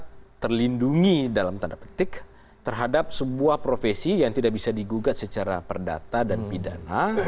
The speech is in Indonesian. tidak terlindungi dalam tanda petik terhadap sebuah profesi yang tidak bisa digugat secara perdata dan pidana